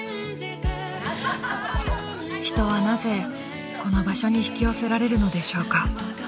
［人はなぜこの場所に引き寄せられるのでしょうか］